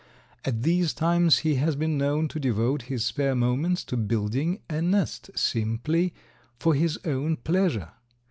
At these times he has been known to devote his spare moments to building a nest simply for his own pleasure.